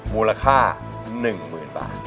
มูลค่า๑หมื่นบาท